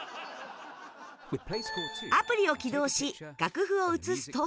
アプリを起動し楽譜を写すと